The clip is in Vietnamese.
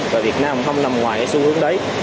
và việt nam không nằm ngoài xu hướng đấy